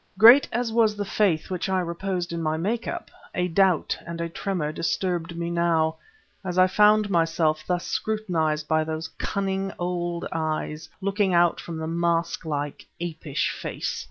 Great as was the faith which I reposed in my make up, a doubt and a tremor disturbed me now, as I found myself thus scrutinized by those cunning old eyes looking out from the mask like, apish face.